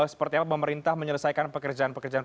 seperti apa pemerintah menyelesaikan pekerjaan pekerjaan